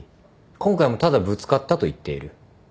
今回もただぶつかったと言っている。